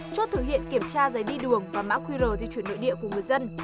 chốt thực hiện kiểm tra giấy đi đường và mã qr di chuyển nội địa của người dân